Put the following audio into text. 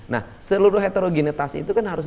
nah seluruh heterogenitas itu kan harus